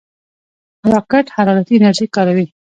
راکټ حرارتي انرژي کاروي